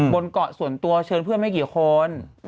บนเกาะส่วนตัวเชิญเพื่อนไม่กี่คน